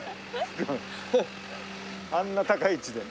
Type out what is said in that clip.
あんな高い位置で。